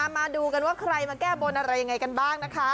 มาดูกันว่าใครมาแก้บลแล้วอะไรบาง